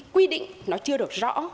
quy định nó chưa được rõ